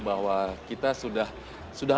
bahwa kita sudah